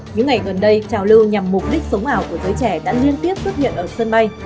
những ngày gần đây trào lưu nhằm mục đích sống ảo của giới trẻ đã liên tiếp xuất hiện ở sân bay